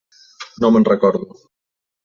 No me'n recordo.